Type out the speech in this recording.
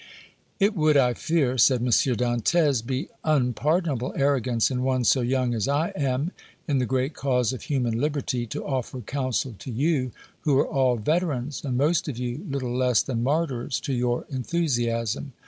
"It would, I fear," said M. Dantès, "be unpardonable arrogance in one so young as I am in the great cause of human liberty to offer counsel to you, who are all veterans, and most of you little less than martyrs to your enthusiasm.